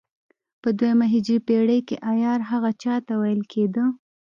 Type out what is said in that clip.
په دوهمه هجري پېړۍ کې عیار هغه چا ته ویل کېده.